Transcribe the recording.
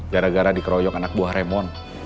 gara gara dikeroyok anak buah remon